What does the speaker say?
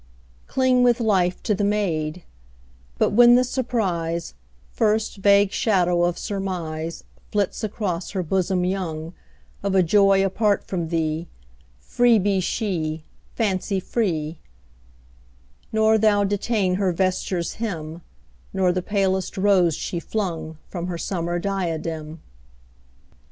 Cling with life to the maid; But when the surprise, First vague shadow of surmise Flits across her bosom young, Of a joy apart from thee, Free be she, fancy free; Nor thou detain her vesture's hem, Nor the palest rose she flung From her summer diadem.